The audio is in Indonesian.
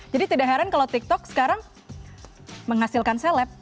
jadi tidak heran kalau tiktok sekarang menghasilkan seleb